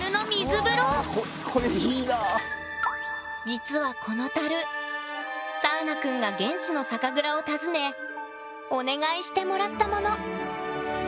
実はこの樽サウナくんが現地の酒蔵を訪ねお願いしてもらったもの！